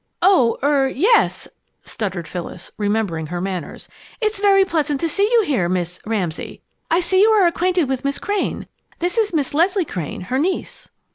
"Oh er, yes!" stuttered Phyllis, remembering her manners. "It's very pleasant to see you here, Miss Ramsay. I see you are acquainted with Miss Crane. This is Miss Leslie Crane her niece."